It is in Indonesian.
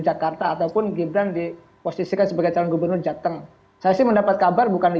jakarta ataupun gibran diposisikan sebagai calon gubernur jateng saya sih mendapat kabar bukan di